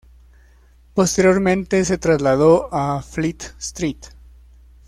Posteriormente se trasladó a Fleet Street.